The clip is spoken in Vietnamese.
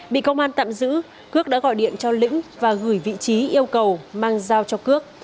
bị công an tạm giữ phước đã gọi điện cho lĩnh và gửi vị trí yêu cầu mang giao cho cước